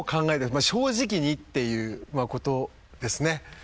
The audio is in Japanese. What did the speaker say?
「正直に！」っていうことですね。